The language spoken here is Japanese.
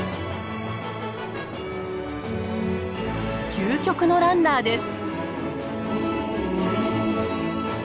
究極のランナーです。